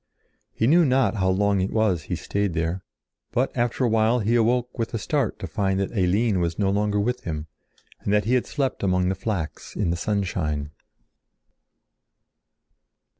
He knew not how long it was he stayed there, but after awhile he awoke with a start to find that Eline was no longer with him, and that he had slept among the flax in the sunshine.